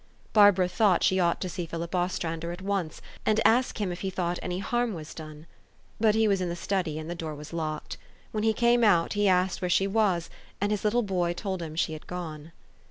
Barbara thought she ought to see Philip Ostrander at once, and ask him if he thought any harm was done. But he was in the study, and the door was locked. When he came out, he asked where she was, and his little boy told him she had gone.